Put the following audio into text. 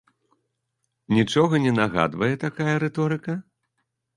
Нічога не нагадвае такая рыторыка?